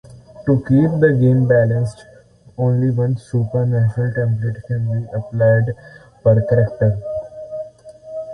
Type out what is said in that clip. To keep the game balanced, only one supernatural template can be applied per character.